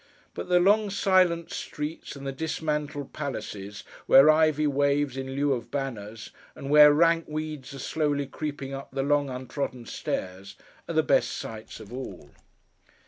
But the long silent streets, and the dismantled palaces, where ivy waves in lieu of banners, and where rank weeds are slowly creeping up the long untrodden stairs, are the best sights of all.